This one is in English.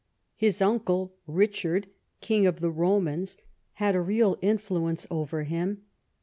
His uncle Richard, King of the Eomans, had a real in fluence over him.